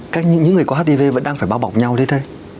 các những người có hdv vẫn đang phải bao bọc nhau đấy thôi